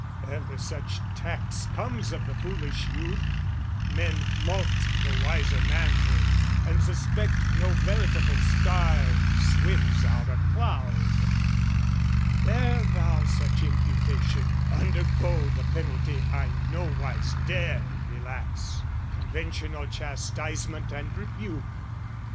Ever such tax comes of the foolish youth; Men mulct the wiser manhood, and suspect No veritable star swims out of cloud: Bear thou such imputation, undergo The penalty I nowise dare relax, Conventional chastisement and rebuke.